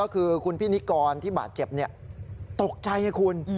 คือคุณพี่นิกรที่บาดเจ็บตกใจไงคุณ